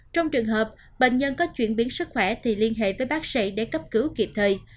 trong trường hợp bệnh nhân có chuyển biến sức khỏe thì liên hệ với bác sĩ để cấp cứu kịp thời